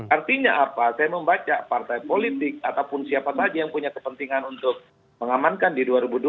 artinya apa saya membaca partai politik ataupun siapa saja yang punya kepentingan untuk mengamankan di dua ribu dua puluh